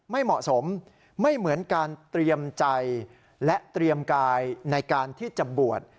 ไม่เหมาะสมไม่เหมือนการเตรียมใจและเตรียมกายในการที่จะบวช